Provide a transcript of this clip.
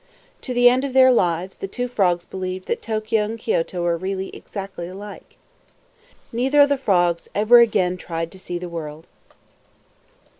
To the end of their lives, the two frogs believed that Tokio and Kioto were really exactly alike. Neither of the frogs ever again tried to see the world.